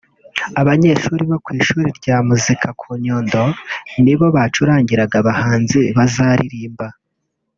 Abanyeshuri bo mu ishuri rya muzika ku Nyundo ni bo bazacurangira abahanzi bazaririmba